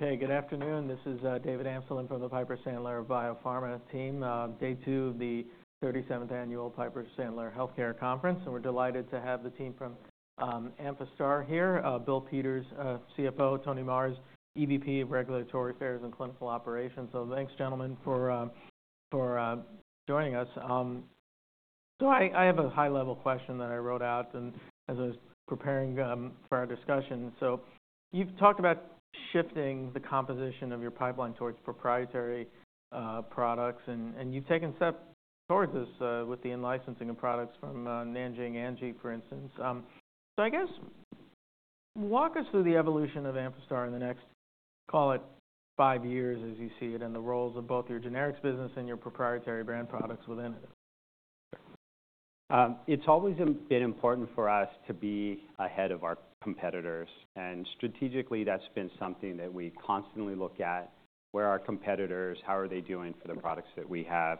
Okay, good afternoon. This is David Amsellem from the Piper Sandler Biopharma team. Day two of the 37th Annual Piper Sandler Healthcare Conference, and we're delighted to have the team from Amphastar here, Bill Peters, CFO, Tony Marrs, EVP, Regulatory Affairs and Clinical Operations. So thanks, gentlemen, for joining us. So I have a high-level question that I wrote out as I was preparing for our discussion. So you've talked about shifting the composition of your pipeline towards proprietary products, and you've taken steps towards this with the in-licensing of products from Nanjing Anji, for instance. So I guess, walk us through the evolution of Amphastar in the next, call it, five years as you see it, and the roles of both your generics business and your proprietary brand products within it. It's always been important for us to be ahead of our competitors, and strategically that's been something that we constantly look at: where are our competitors, how are they doing for the products that we have?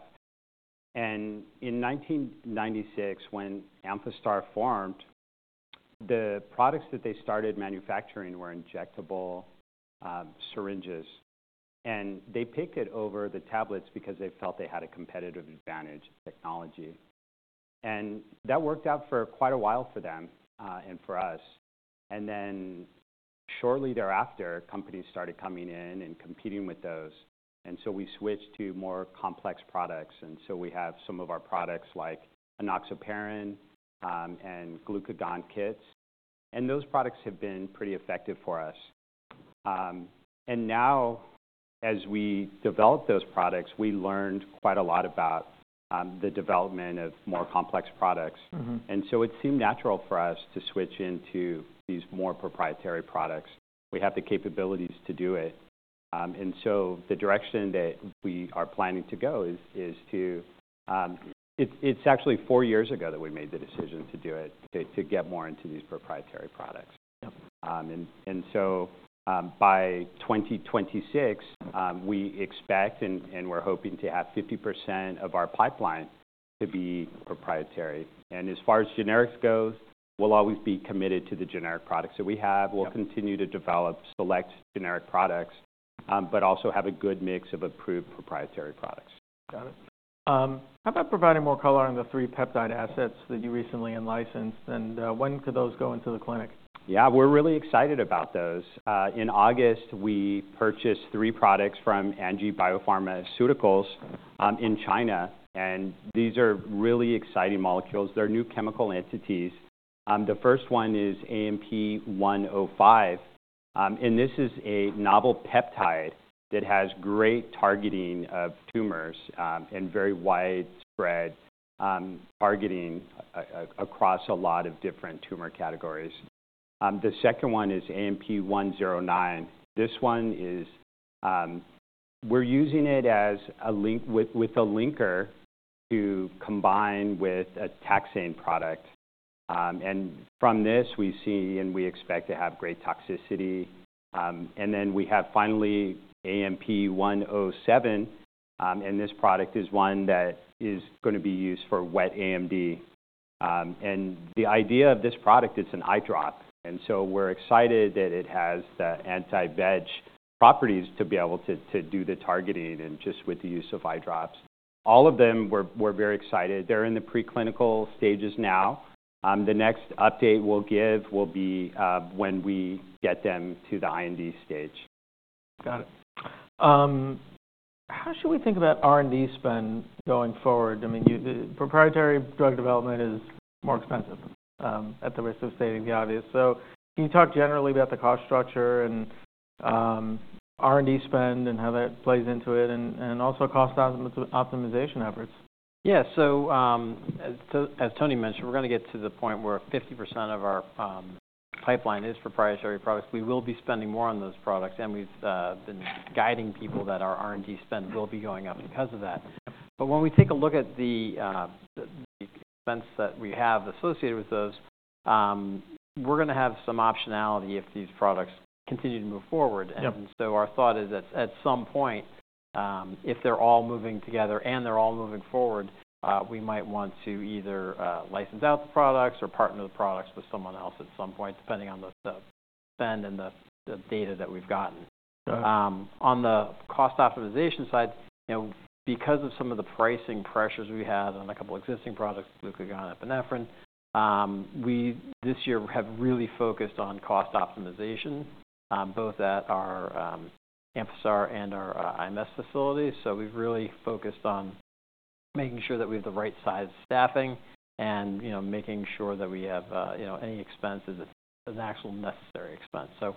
And in 1996, when Amphastar formed, the products that they started manufacturing were injectable syringes, and they picked it over the tablets because they felt they had a competitive advantage of technology. And that worked out for quite a while for them and for us. And then shortly thereafter, companies started coming in and competing with those, and so we switched to more complex products. And so we have some of our products like enoxaparin and glucagon kits, and those products have been pretty effective for us. And now, as we develop those products, we learned quite a lot about the development of more complex products, and so it seemed natural for us to switch into these more proprietary products. We have the capabilities to do it, and so the direction that we are planning to go is to. It's actually four years ago that we made the decision to do it, to get more into these proprietary products. And so by 2026, we expect and we're hoping to have 50% of our pipeline to be proprietary. And as far as generics goes, we'll always be committed to the generic products that we have. We'll continue to develop select generic products, but also have a good mix of approved proprietary products. Got it. How about providing more color on the three peptide assets that you recently in-licensed? And when could those go into the clinic? Yeah, we're really excited about those. In August, we purchased three products from Anji Biopharmaceuticals in China, and these are really exciting molecules. They're new chemical entities. The first one is AMP-105, and this is a novel peptide that has great targeting of tumors and very widespread targeting across a lot of different tumor categories. The second one is AMP-109. This one is, we're using it with a linker to combine with a taxane product, and from this we see and we expect to have great toxicity. And then we have finally AMP-107, and this product is one that is going to be used for wet AMD. And the idea of this product is an eye drop, and so we're excited that it has the anti-VEGF properties to be able to do the targeting and just with the use of eye drops. All of them, we're very excited. They're in the preclinical stages now. The next update we'll give will be when we get them to the IND stage. Got it. How should we think about R&D spend going forward? I mean, proprietary drug development is more expensive, at the risk of stating the obvious. So can you talk generally about the cost structure and R&D spend and how that plays into it, and also cost optimization efforts? Yeah, so as Tony mentioned, we're going to get to the point where 50% of our pipeline is proprietary products. We will be spending more on those products, and we've been guiding people that our R&D spend will be going up because of that. But when we take a look at the expense that we have associated with those, we're going to have some optionality if these products continue to move forward. And so our thought is that at some point, if they're all moving together and they're all moving forward, we might want to either license out the products or partner the products with someone else at some point, depending on the spend and the data that we've gotten. On the cost optimization side, because of some of the pricing pressures we had on a couple of existing products, glucagon and epinephrine, we this year have really focused on cost optimization, both at our Amphastar and our IMS facilities. So we've really focused on making sure that we have the right size staffing and making sure that we have any expense as an actual necessary expense. So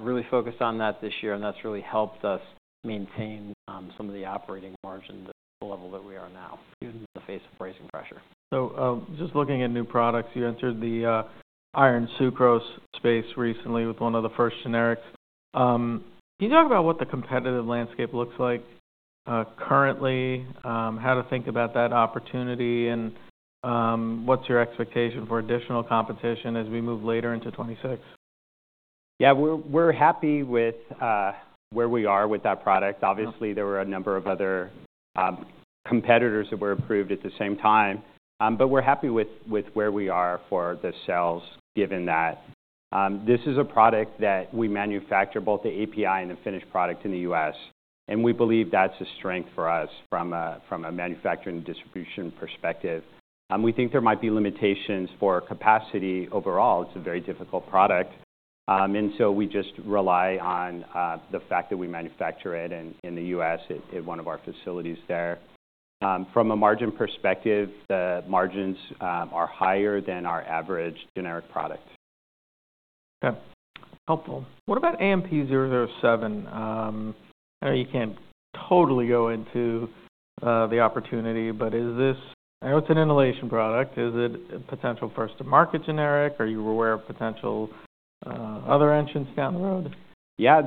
really focused on that this year, and that's really helped us maintain some of the operating margin at the level that we are now, even in the face of pricing pressure. So just looking at new products, you entered the iron sucrose space recently with one of the first generics. Can you talk about what the competitive landscape looks like currently, how to think about that opportunity, and what's your expectation for additional competition as we move later into 2026? Yeah, we're happy with where we are with that product. Obviously, there were a number of other competitors that were approved at the same time, but we're happy with where we are for the sales given that. This is a product that we manufacture both the API and the finished product in the U.S., and we believe that's a strength for us from a manufacturing distribution perspective. We think there might be limitations for capacity overall. It's a very difficult product, and so we just rely on the fact that we manufacture it in the U.S. at one of our facilities there. From a margin perspective, the margins are higher than our average generic product. Okay, helpful. What about AMP-007? I know you can't totally go into the opportunity, but is this? I know it's an inhalation product. Is it a potential first-to-market generic? Are you aware of potential other entrants down the road? Yeah,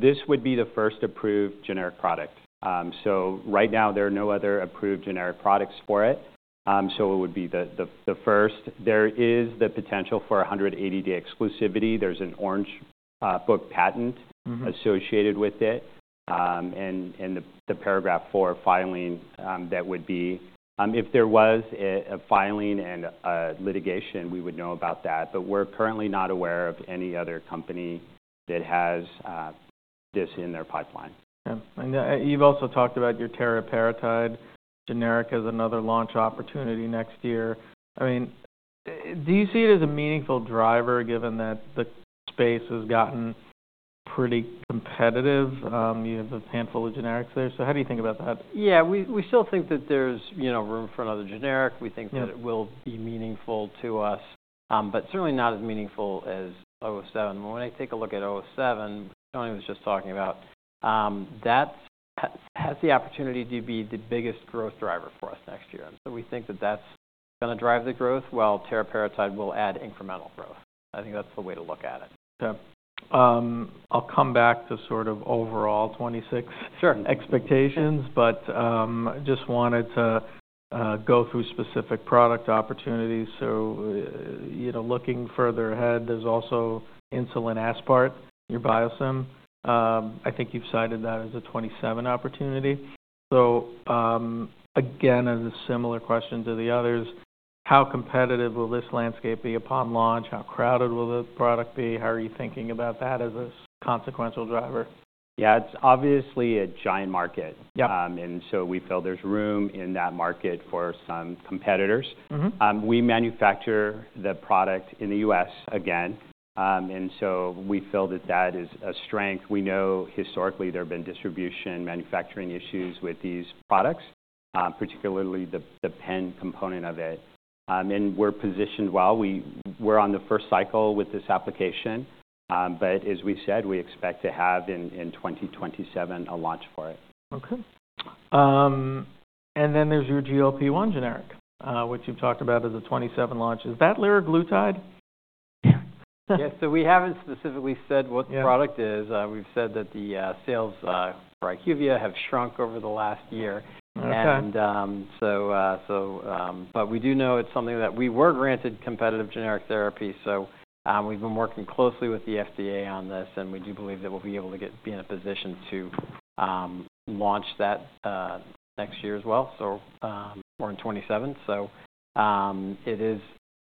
this would be the first approved generic product. So right now, there are no other approved generic products for it, so it would be the first. There is the potential for 180-day exclusivity. There's an Orange Book patent associated with it and the Paragraph IV filing that would be, if there was a filing and a litigation, we would know about that, but we're currently not aware of any other company that has this in their pipeline. Okay. And you've also talked about your teriparatide generic as another launch opportunity next year. I mean, do you see it as a meaningful driver given that the space has gotten pretty competitive? You have a handful of generics there, so how do you think about that? Yeah, we still think that there's room for another generic. We think that it will be meaningful to us, but certainly not as meaningful as 007. When I take a look at 007, Tony was just talking about, that has the opportunity to be the biggest growth driver for us next year, and so we think that that's going to drive the growth while teriparatide will add incremental growth. I think that's the way to look at it. Okay. I'll come back to sort of overall 2026 expectations, but just wanted to go through specific product opportunities. So looking further ahead, there's also insulin aspart, your biosimilar. I think you've cited that as a 2027 opportunity. So again, as a similar question to the others, how competitive will this landscape be upon launch? How crowded will the product be? How are you thinking about that as a consequential driver? Yeah, it's obviously a giant market, and so we feel there's room in that market for some competitors. We manufacture the product in the U.S. again, and so we feel that that is a strength. We know historically there have been distribution manufacturing issues with these products, particularly the pen component of it, and we're positioned well. We're on the first cycle with this application, but as we said, we expect to have in 2027 a launch for it. Okay, and then there's your GLP-1 generic, which you've talked about as a 2027 launch. Is that liraglutide? Yeah, so we haven't specifically said what the product is. We've said that the sales for IQVIA have shrunk over the last year, and so—but we do know it's something that we were granted competitive generic therapy, so we've been working closely with the FDA on this, and we do believe that we'll be able to be in a position to launch that next year as well. We're in 2027, so it is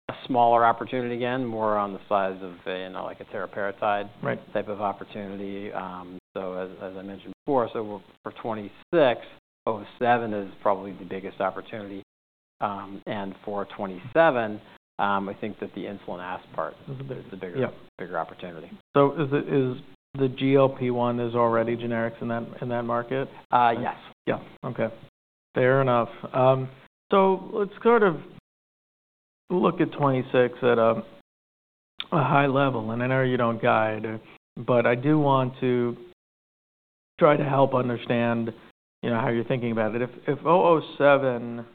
a smaller opportunity again, more on the size of like a teriparatide type of opportunity. As I mentioned before, for 2026, 007 is probably the biggest opportunity, and for 2027, I think that the insulin aspart is a bigger opportunity. So the GLP-1 is already generics in that market? Yes. Yeah, okay. Fair enough. So let's sort of look at 2026 at a high level, and I know you don't guide, but I do want to try to help understand how you're thinking about it. If 007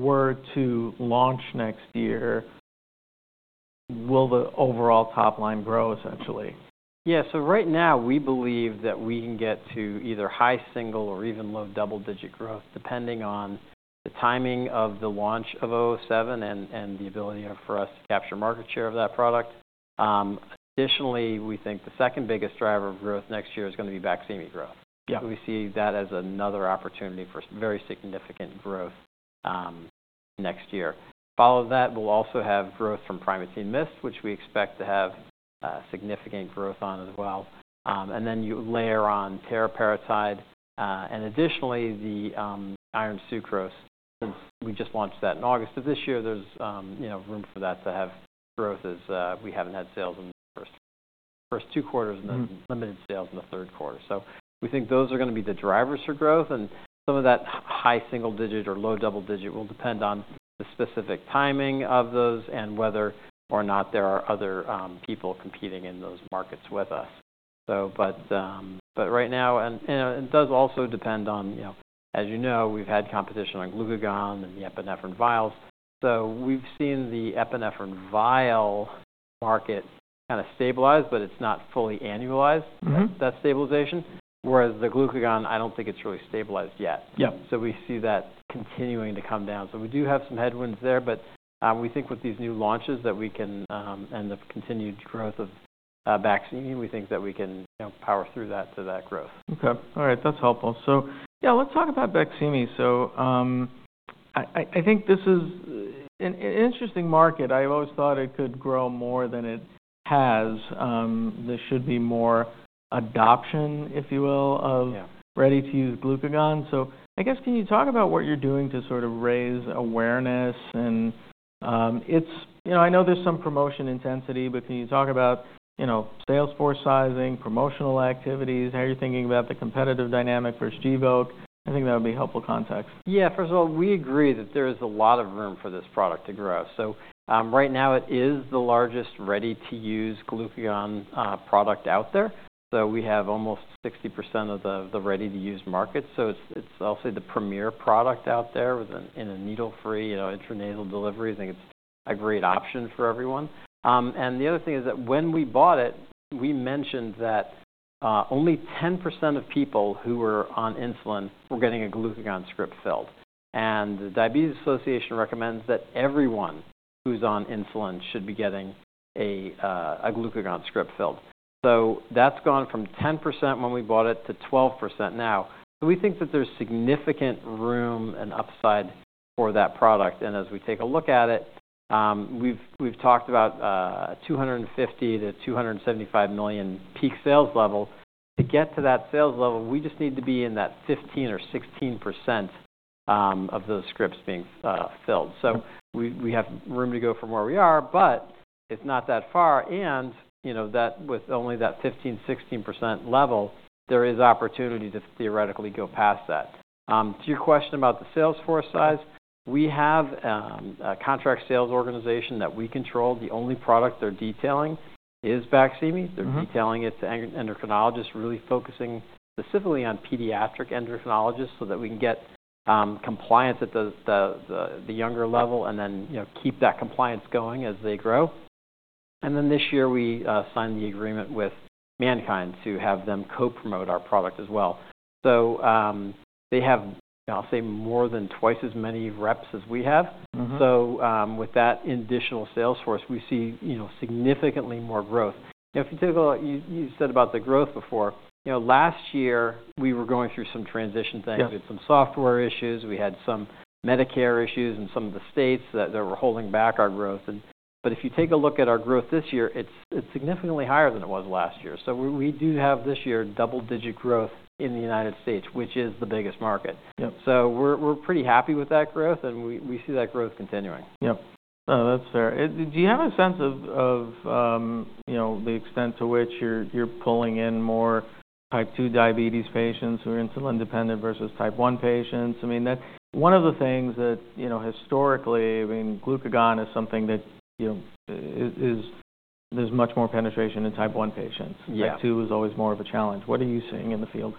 were to launch next year, will the overall top line grow essentially? Yeah, so right now, we believe that we can get to either high single or even low double-digit growth, depending on the timing of the launch of 007 and the ability for us to capture market share of that product. Additionally, we think the second biggest driver of growth next year is going to be Baqsimi growth. We see that as another opportunity for very significant growth next year. Following that, we'll also have growth from Primatene Mist, which we expect to have significant growth on as well, and then you layer on teriparatide, and additionally, the iron sucrose. We just launched that in August of this year. There's room for that to have growth as we haven't had sales in the first two quarters and then limited sales in the third quarter. So we think those are going to be the drivers for growth, and some of that high single-digit or low double-digit will depend on the specific timing of those and whether or not there are other people competing in those markets with us. But right now, and it does also depend on, as you know, we've had competition on glucagon and the epinephrine vials, so we've seen the epinephrine vial market kind of stabilize, but it's not fully annualized, that stabilization, whereas the glucagon, I don't think it's really stabilized yet. So we see that continuing to come down. So we do have some headwinds there, but we think with these new launches that we can, and the continued growth of Baqsimi, we think that we can power through that to that growth. Okay. All right, that's helpful. So yeah, let's talk about Baqsimi. So I think this is an interesting market. I've always thought it could grow more than it has. There should be more adoption, if you will, of ready-to-use glucagon. So I guess can you talk about what you're doing to sort of raise awareness? And I know there's some promotion intensity, but can you talk about salesforce sizing, promotional activities? How are you thinking about the competitive dynamic for Gvoke? I think that would be helpful context. Yeah, first of all, we agree that there is a lot of room for this product to grow. So right now, it is the largest ready-to-use glucagon product out there. So we have almost 60% of the ready-to-use market. So it's obviously the premier product out there in a needle-free, intranasal delivery. I think it's a great option for everyone. And the other thing is that when we bought it, we mentioned that only 10% of people who were on insulin were getting a glucagon script filled, and the Diabetes Association recommends that everyone who's on insulin should be getting a glucagon script filled. So that's gone from 10% when we bought it to 12% now. So we think that there's significant room and upside for that product, and as we take a look at it, we've talked about $250 million-$275 million peak sales level. To get to that sales level, we just need to be in that 15% or 16% of those scripts being filled, so we have room to go from where we are, but it's not that far, and with only that 15%-16% level, there is opportunity to theoretically go past that. To your question about the salesforce size, we have a contract sales organization that we control. The only product they're detailing is Baqsimi. They're detailing it to endocrinologists, really focusing specifically on pediatric endocrinologists so that we can get compliance at the younger level and then keep that compliance going as they grow, and then this year, we signed the agreement with Mankind to have them co-promote our product as well, so they have, I'll say, more than twice as many reps as we have, so with that additional salesforce, we see significantly more growth. Now, if you take a look, you said about the growth before. Last year, we were going through some transition things with some software issues. We had some Medicare issues in some of the states that were holding back our growth. But if you take a look at our growth this year, it's significantly higher than it was last year. So we do have this year double-digit growth in the United States, which is the biggest market. So we're pretty happy with that growth, and we see that growth continuing. Yep. No, that's fair. Do you have a sense of the extent to which you're pulling in more type 2 diabetes patients who are insulin-dependent versus type 1 patients? I mean, one of the things that historically, I mean, glucagon is something that there's much more penetration in type 1 patients. Type 2 is always more of a challenge. What are you seeing in the field?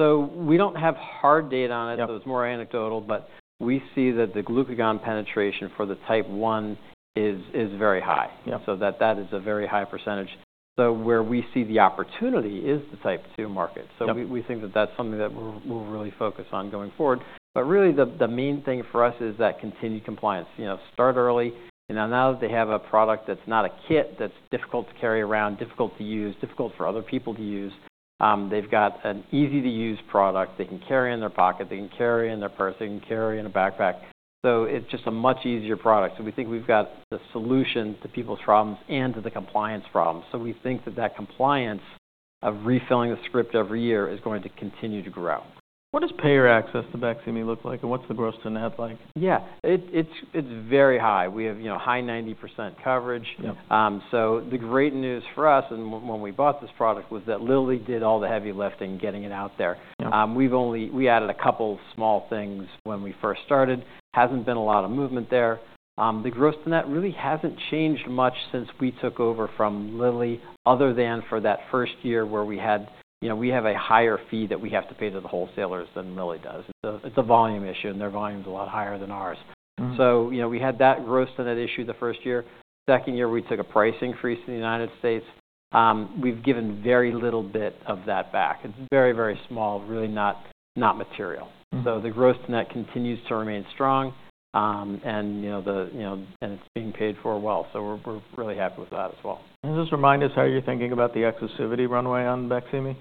So we don't have hard data on it, so it's more anecdotal, but we see that the glucagon penetration for the type 1 is very high. So that is a very high percentage. So where we see the opportunity is the type 2 market. So we think that that's something that we'll really focus on going forward. But really, the main thing for us is that continued compliance. Start early. Now that they have a product that's not a kit, that's difficult to carry around, difficult to use, difficult for other people to use, they've got an easy-to-use product. They can carry it in their pocket. They can carry it in their purse. They can carry it in a backpack. So it's just a much easier product. So we think we've got the solution to people's problems and to the compliance problems. We think that compliance of refilling the script every year is going to continue to grow. What does payer access to Baqsimi look like, and what's the gross to net like? Yeah, it's very high. We have high 90% coverage. So the great news for us, and when we bought this product, was that Lilly did all the heavy lifting getting it out there. We added a couple of small things when we first started. Hasn't been a lot of movement there. The gross-to-net really hasn't changed much since we took over from Lilly, other than for that first year where we had—we have a higher fee that we have to pay to the wholesalers than Lilly does. It's a volume issue, and their volume is a lot higher than ours. So we had that gross-to-net issue the first year. Second year, we took a price increase in the United States. We've given very little bit of that back. It's very, very small, really not material. So the gross-to-net continues to remain strong, and it's being paid for well. So we're really happy with that as well. Just remind us how you're thinking about the exclusivity runway on Baqsimi?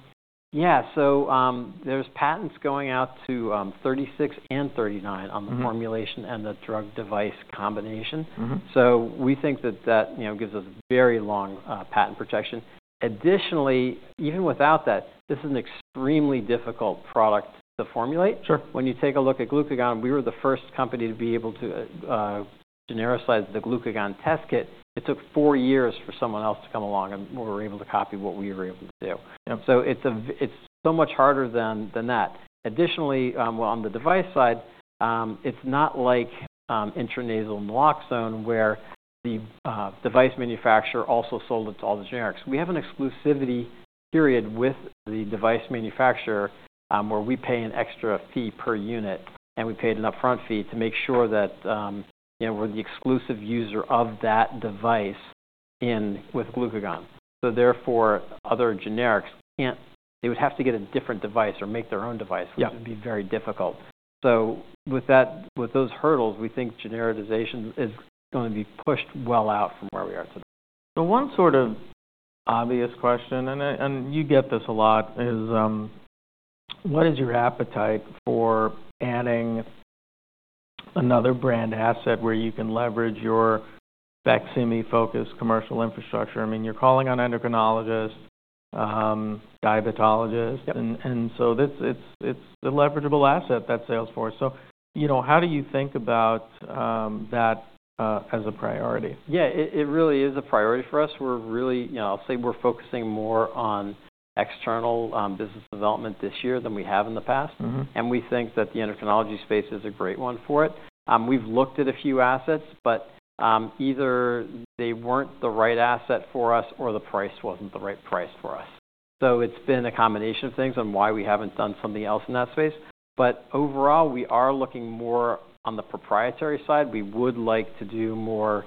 Yeah, so there's patents going out to 2036 and 2039 on the formulation and the drug-device combination. So we think that that gives us very long patent protection. Additionally, even without that, this is an extremely difficult product to formulate. When you take a look at glucagon, we were the first company to be able to genericize the glucagon test kit. It took four years for someone else to come along, and we were able to copy what we were able to do. So it's so much harder than that. Additionally, on the device side, it's not like intranasal naloxone where the device manufacturer also sold it to all the generics. We have an exclusivity period with the device manufacturer where we pay an extra fee per unit, and we paid an upfront fee to make sure that we're the exclusive user of that device with glucagon. So therefore, other generics can't—they would have to get a different device or make their own device, which would be very difficult. So with those hurdles, we think genericization is going to be pushed well out from where we are today. One sort of obvious question, and you get this a lot, is what is your appetite for adding another brand asset where you can leverage your Baqsimi-focused commercial infrastructure? I mean, you're calling on endocrinologists, diabetologists, and so it's a leverageable asset, that sales force. How do you think about that as a priority? Yeah, it really is a priority for us. I'll say we're focusing more on external business development this year than we have in the past, and we think that the endocrinology space is a great one for it. We've looked at a few assets, but either they weren't the right asset for us or the price wasn't the right price for us, so it's been a combination of things on why we haven't done something else in that space, but overall, we are looking more on the proprietary side. We would like to do more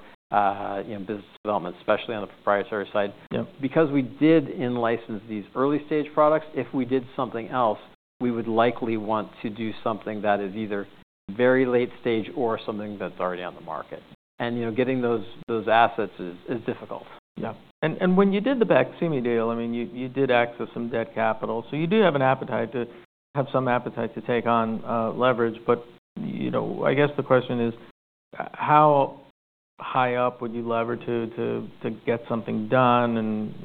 business development, especially on the proprietary side, because we did in-license these early-stage products. If we did something else, we would likely want to do something that is either very late-stage or something that's already on the market, and getting those assets is difficult. Yeah. And when you did the Baqsimi deal, I mean, you did access some debt capital. So you do have an appetite to take on leverage, but I guess the question is, how high up would you lever to get something done,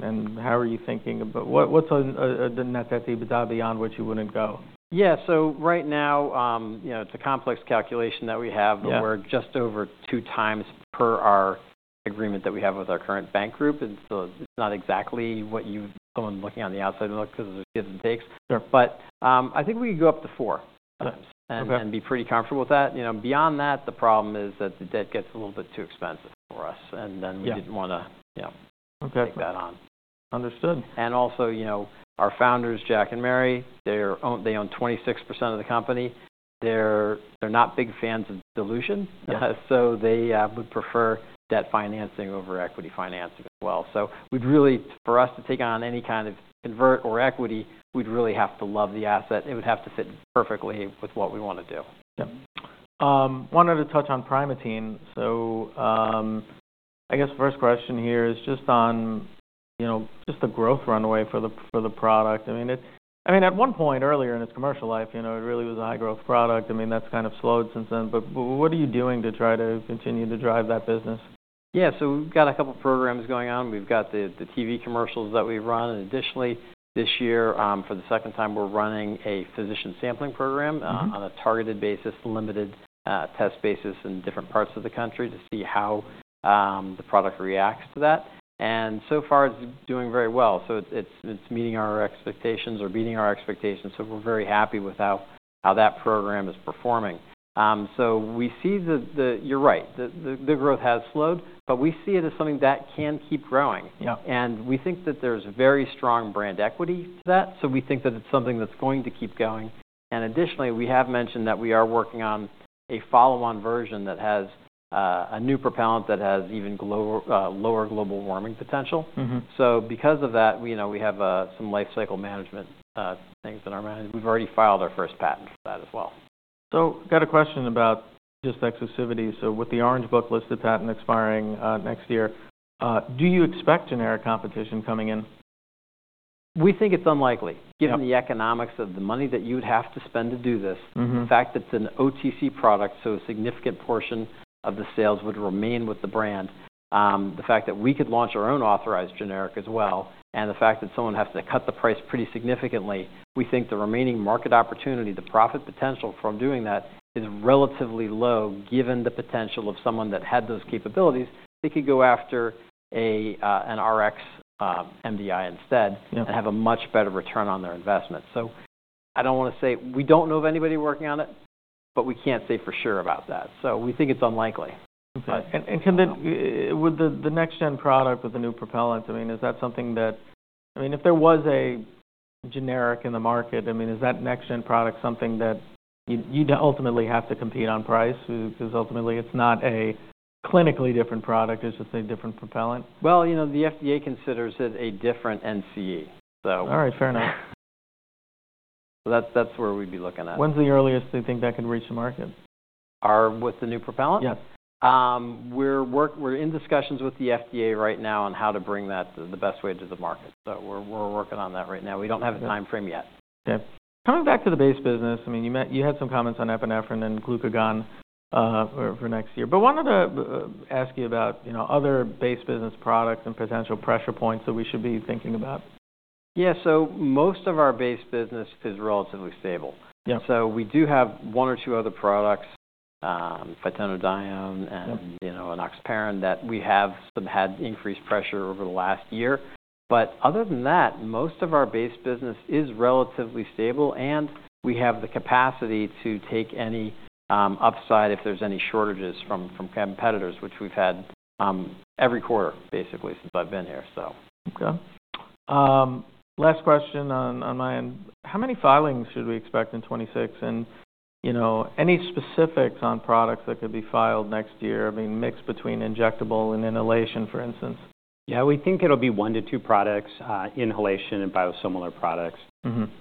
and how are you thinking about what's a net equity beyond which you wouldn't go? Yeah, so right now, it's a complex calculation that we have. We're just over two times per our agreement that we have with our current bank group, and so it's not exactly what you've seen. Someone looking on the outside would look because there's give and take. But I think we could go up to four times and be pretty comfortable with that. Beyond that, the problem is that the debt gets a little bit too expensive for us, and then we didn't want to take that on. Understood. And also, our founders, Jack and Mary, they own 26% of the company. They're not big fans of dilution, so they would prefer debt financing over equity financing as well. So for us to take on any kind of convert or equity, we'd really have to love the asset. It would have to fit perfectly with what we want to do. Yep. Wanted to touch on Primatene. So I guess the first question here is just on the growth runway for the product. I mean, at one point earlier in its commercial life, it really was a high-growth product. I mean, that's kind of slowed since then, but what are you doing to try to continue to drive that business? Yeah, so we've got a couple of programs going on. We've got the TV commercials that we've run, and additionally, this year, for the second time, we're running a physician sampling program on a targeted basis, limited test basis in different parts of the country to see how the product reacts to that, and so far, it's doing very well, so it's meeting our expectations or beating our expectations, so we're very happy with how that program is performing, so we see that you're right. The growth has slowed, but we see it as something that can keep growing, and we think that there's very strong brand equity to that, so we think that it's something that's going to keep going, and additionally, we have mentioned that we are working on a follow-on version that has a new propellant that has even lower global warming potential. So because of that, we have some life cycle management things in our mind. We've already filed our first patent for that as well. So I've got a question about just exclusivity. So with the Orange Book listed patent expiring next year, do you expect generic competition coming in? We think it's unlikely, given the economics of the money that you'd have to spend to do this. The fact that it's an OTC product, so a significant portion of the sales would remain with the brand. The fact that we could launch our own authorized generic as well, and the fact that someone has to cut the price pretty significantly, we think the remaining market opportunity, the profit potential from doing that is relatively low, given the potential of someone that had those capabilities. They could go after an Rx MDI instead and have a much better return on their investment. So I don't want to say we don't know of anybody working on it, but we can't say for sure about that. So we think it's unlikely. Okay. And with the next-gen product with the new propellant, I mean, is that something that, I mean, if there was a generic in the market, I mean, is that next-gen product something that you'd ultimately have to compete on price? Because ultimately, it's not a clinically different product. It's just a different propellant. The FDA considers it a different NCE, so. All right. Fair enough. So that's where we'd be looking at it. When's the earliest they think that could reach the market? With the new propellant? Yeah. We're in discussions with the FDA right now on how to bring that the best way to the market. So we're working on that right now. We don't have a timeframe yet. Okay. Coming back to the base business, I mean, you had some comments on epinephrine and glucagon for next year. But wanted to ask you about other base business products and potential pressure points that we should be thinking about. Yeah. So most of our base business is relatively stable. So we do have one or two other products, phytonadione and enoxaparin, that we have had increased pressure over the last year. But other than that, most of our base business is relatively stable, and we have the capacity to take any upside if there's any shortages from competitors, which we've had every quarter, basically, since I've been here, so. Okay. Last question on my end. How many filings should we expect in 2026? And any specifics on products that could be filed next year? I mean, mix between injectable and inhalation, for instance. Yeah. We think it'll be one to two products, inhalation and biosimilar products.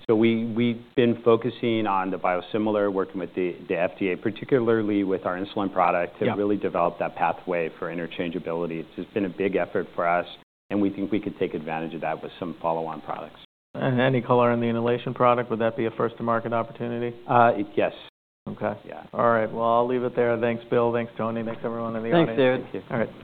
So we've been focusing on the biosimilar, working with the FDA, particularly with our insulin product to really develop that pathway for interchangeability. It's just been a big effort for us, and we think we could take advantage of that with some follow-on products. And any color in the inhalation product, would that be a first-to-market opportunity? Yes. Okay. All right. Well, I'll leave it there. Thanks, Will. Thanks, Tony. Thanks, everyone on the other end. Thanks, David. Take care. All right.